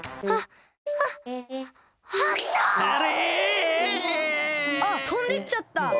あっとんでっちゃった。